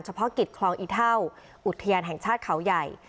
เพาะกิจคลองอีเท่าอุทยานแห่งชาติเขาใหญ่